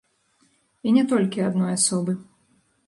І не толькі адной асобы.